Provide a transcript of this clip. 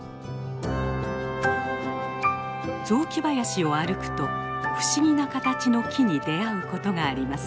雑木林を歩くと不思議な形の木に出会うことがあります。